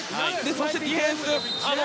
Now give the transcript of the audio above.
そしてディフェンス。